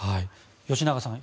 吉永さん